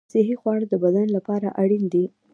صحي خواړه د بدن لپاره اړین دي.